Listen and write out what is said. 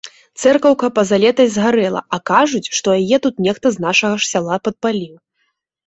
Цэркаўка пазалетась згарэла, а кажуць, што яе тут нехта з нашага ж сяла падпаліў.